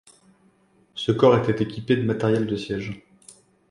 Ce corps était équipé de matériel de siège.